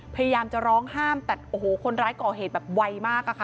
พยายามจะร้องห้ามแต่โอ้โหคนร้ายก่อเหตุแบบไวมากอะค่ะ